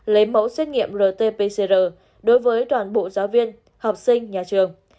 lấy mẫu xét nghiệm rt pcr đối với toàn bộ giáo viên học sinh nhà trường